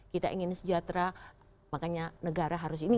kita ingin sejahtera makanya negara harus ini